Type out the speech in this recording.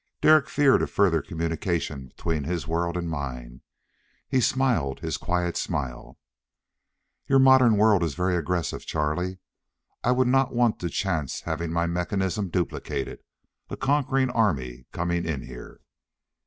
Derek feared a further communication between his world, and mine. He smiled his quiet smile. "Your modern world is very aggressive, Charlie. I would not want to chance having my mechanism duplicated a conquering army coming in here."